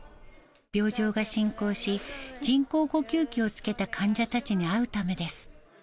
病状が進行し、人工呼吸器をつけた患者たちに会うためです。